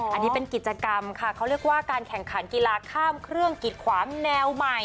อันนี้เป็นกิจกรรมค่ะเขาเรียกว่าการแข่งขันกีฬาข้ามเครื่องกิดขวางแนวใหม่